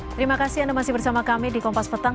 terima kasih anda masih bersama kami di kompas petang